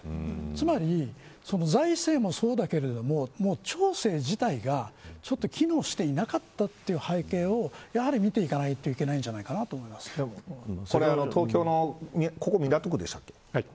つまり財政もそうだけれども町政自体が機能していなかったという背景をやはり見ていかないといけないんじゃないかなとそれは東京のここ港区でしたっけ。